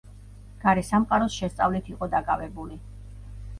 გარესამყაროს შესწავლით იყო დაკავებული.